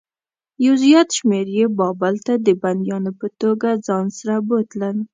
یو زیات شمېر یې بابل ته د بندیانو په توګه ځان سره بوتلل.